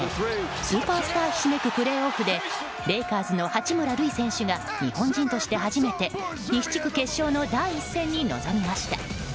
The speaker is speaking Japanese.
スーパースターひしめくプレーオフでレイカーズの八村塁選手が日本人として初めて西地区決勝の第１戦に臨みました。